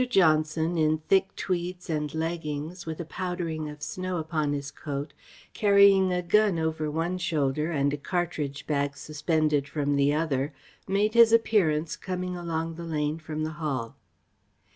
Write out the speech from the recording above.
Johnson, in thick tweeds and leggings, with a powdering of snow upon his coat, carrying a gun over one shoulder and a cartridge bag suspended from the other, made his appearance coming along the lane from the Hall.